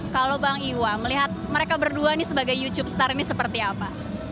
kalau bang iwa melihat mereka berdua ini sebagai youtube star ini seperti apa